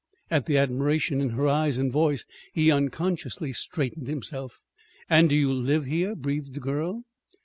At the admiration in her eyes and voice he unconsciously straightened himself. "And do you live here?" breathed the girl.